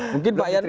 mungkin pak yan